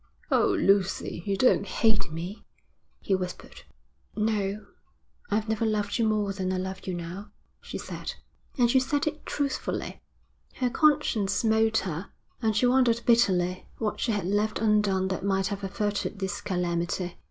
'Oh, Lucy, you don't hate me?' he whispered. 'No, I've never loved you more than I love you now,' she said. And she said it truthfully. Her conscience smote her, and she wondered bitterly what she had left undone that might have averted this calamity.